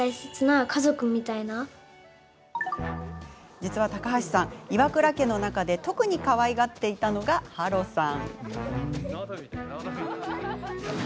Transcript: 実は高橋さん、岩倉家の中で特に、かわいがっていたのが芭路さん。